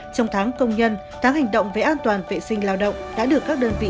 trong tháng công nhân tháng hành động về an toàn vệ sinh lao động đã được các đơn vị